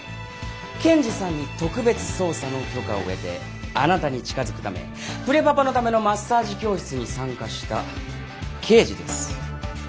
検事さんに特別捜査の許可を得てあなたに近づくためプレパパのためのマッサージ教室に参加した刑事です。